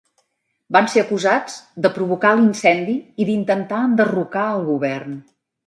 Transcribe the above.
Van ser acusats de provocar l'incendi i d'intentar enderrocar al govern.